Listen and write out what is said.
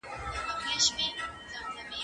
زه پرون واښه راوړله،